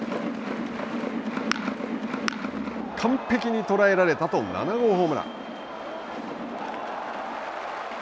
完璧に捉えられたと７号ホームラン。